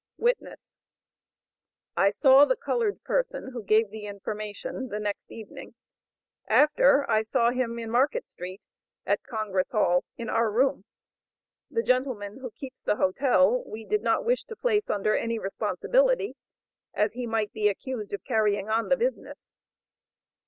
Witness. "I saw the colored person, who gave the information, the next evening; after I saw him in Market street, at Congress Hall, in our room; the gentleman who keeps the hotel we did not wish to place under any responsibility, as he might be accused of carrying on the business.